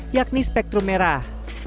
yakni spektrum merah